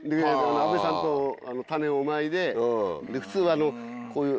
阿部さんと種をまいて。